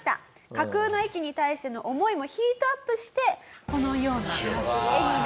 架空の駅に対しての思いもヒートアップしてこのような絵になったと。